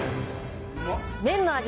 麺の味